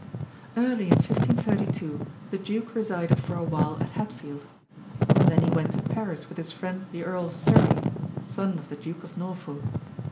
Early in 1532 the Duke resided for a while at Hatfield. Then he went to Paris with his friend the Earl of Surrey, son of the Duke of Norfolk.